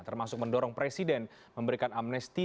termasuk mendorong presiden memberikan amnesti